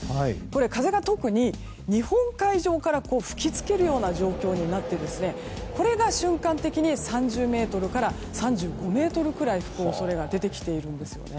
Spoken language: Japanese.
風が特に日本海上から吹き付けるような状況になってこれが瞬間的に３０メートルから３５メートルくらい吹く恐れが出てきています。